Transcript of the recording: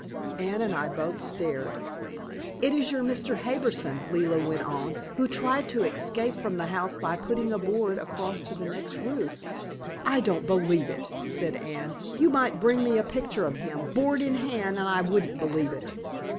Anne and I both stared. "It is your Mr. Harbison," Leila went on, "who tried to escape from the house by putting a board across to the next roof!" "I don't believe it," said Anne. "You might bring me a picture of him, board in hand, and I wouldn't believe it."